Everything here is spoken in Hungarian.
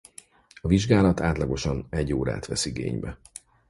A vizsgálat átlagosan egy órát vesz igénybe.